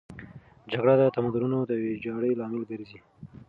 جګړه د تمدنونو د ویجاړۍ لامل ګرځي.